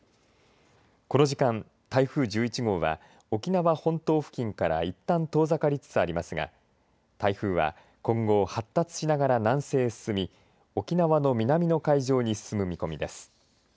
この時間、台風１１号は沖縄本島付近からいったん遠ざかりつつありますが台風は今後発達しながら南西へ進み沖縄の南の海上に進む見込みです。